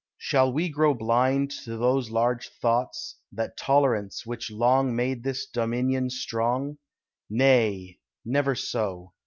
Shall we grow blind To those large thoughts, that tolerance which long Made this Dominion strong? Nay, never so!